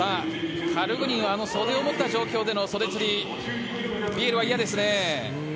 カルグニンは袖を持った状況での袖釣りビエルは嫌ですね。